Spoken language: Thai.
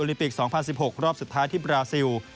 ลิปิก๒๐๑๖รอบสุดท้ายที่บราซิล